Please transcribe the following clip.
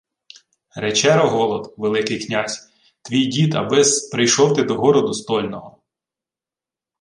— Рече Рогволод, Великий князь, твій дід, аби-с прийшов ти до городу стольного.